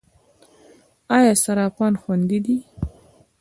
آیا صرافان خوندي دي؟